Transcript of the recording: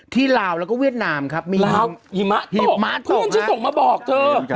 ที่ลาวแล้วก็เวียดนามครับลาวหิมะตกเพื่อนชั้นส่งมาบอกเธอ